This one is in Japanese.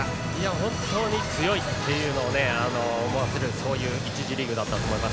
本当に強いというのを思わせる１次リーグだったと思います。